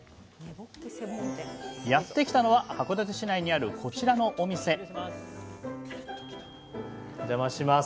やってきたのは函館市内にあるこちらのお店おじゃまします。